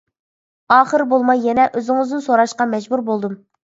ئاخىر بولماي يەنە ئۆزىڭىزدىن سوراشقا مەجبۇر بولدۇم.